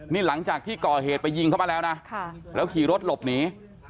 นี่หลังจากที่ก่อเหตุไปยิงเขามาแล้วนะแล้วขี่รถหลบหนี